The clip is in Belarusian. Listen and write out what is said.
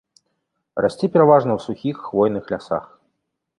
Расце пераважна ў сухіх хвойных лясах.